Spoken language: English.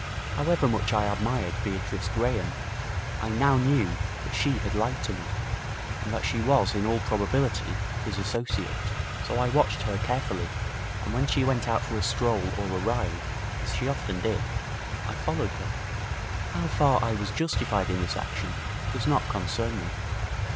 However much I admired Beatrice Graham, I now knew that she had lied to me, and that she was in all probability his associate. So I watched her carefully, and when she went out for a stroll or a ride, as she often did, I followed her. How far I was justified in this action does not concern me.